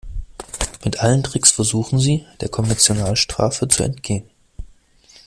Mit allen Tricks versuchen sie, der Konventionalstrafe zu entgehen.